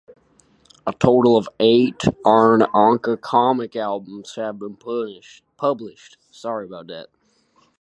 A total of eight Arne Anka comic albums have been published.